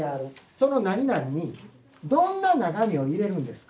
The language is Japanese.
そのなになににどんな中身を入れるんですか？